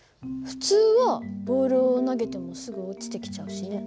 普通はボールを投げてもすぐ落ちてきちゃうしね。